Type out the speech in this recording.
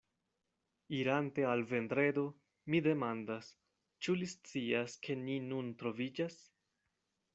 Irante al Vendredo, mi demandas, ĉu li scias, kie ni nun troviĝas.